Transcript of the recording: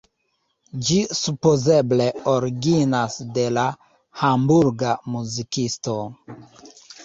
Ĝi supozeble originas de la Hamburga muzikisto.